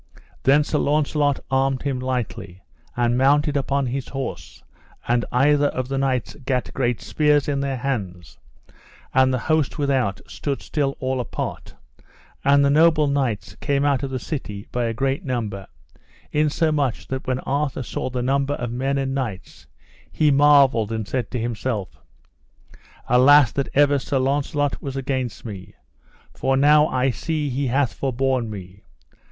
Then Sir Launcelot armed him lightly, and mounted upon his horse, and either of the knights gat great spears in their hands, and the host without stood still all apart, and the noble knights came out of the city by a great number, insomuch that when Arthur saw the number of men and knights, he marvelled, and said to himself: Alas, that ever Sir Launcelot was against me, for now I see he hath forborne me.